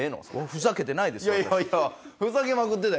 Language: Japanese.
ふざけてないです私。